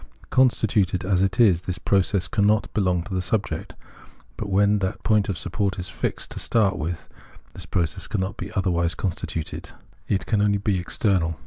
Constituted as it is, tbis process cannot belong to tbe subject ; but when that point of support is fixed to start wdth, this process cannot be otherwise constituted, it can only be external.